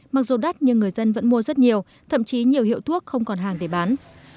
mặc dù đắt nhưng người dân vẫn mua rất nhiều thậm chí nhiều hiệu thuốc không còn hàng để bán